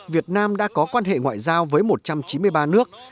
việt nam đã có quan hệ ngoại giao với một trăm chín mươi ba nước